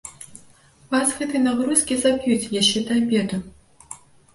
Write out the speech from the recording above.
Вас гэтыя нагрузкі заб'юць яшчэ да абеду.